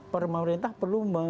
pemerintah perlu mendorong